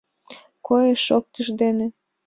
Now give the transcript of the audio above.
Койыш-шоктыш дене